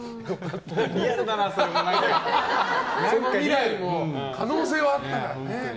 そんな未来の可能性もあったんだね。